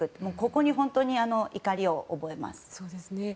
ここに本当に怒りを覚えます。